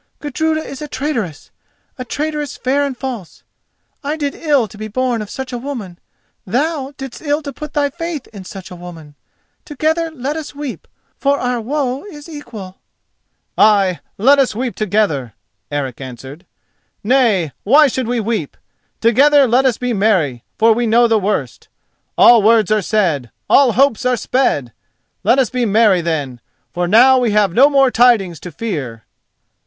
Gudruda is a traitress, a traitress fair and false. I did ill to be born of such a woman; thou didst ill to put thy faith in such a woman. Together let us weep, for our woe is equal." "Ay, let us weep together," Eric answered. "Nay, why should we weep? Together let us be merry, for we know the worst. All words are said—all hopes are sped! Let us be merry, then, for now we have no more tidings to fear."